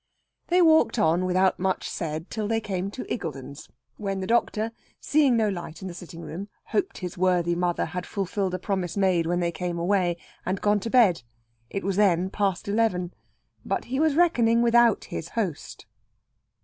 They walked on without much said till they came to Iggulden's; when the doctor, seeing no light in the sitting room, hoped his worthy mother had fulfilled a promise made when they came away, and gone to bed. It was then past eleven. But he was reckoning without his host.